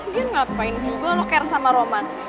dia ngapain juga loh care sama roman